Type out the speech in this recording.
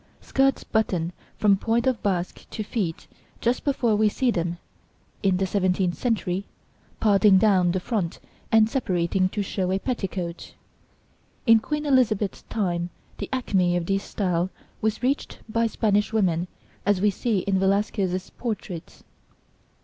Skirts button from point of basque to feet just before we see them, in the seventeenth century, parting down the front and separating to show a petticoat. In Queen Elizabeth's time the acme of this style was reached by Spanish women as we see in Velasquez's portraits.